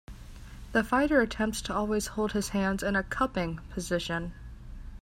The fighter attempts to always hold his hands in a "cupping" position.